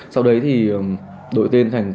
sau đấy thì